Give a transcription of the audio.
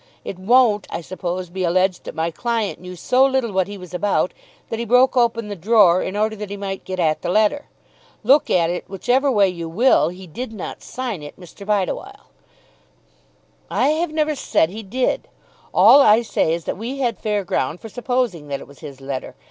It won't, I suppose, be alleged that my client knew so little what he was about that he broke open the drawer in order that he might get at the letter. Look at it whichever way you will, he did not sign it, Mr. Bideawhile." "I have never said he did. All I say is that we had fair ground for supposing that it was his letter.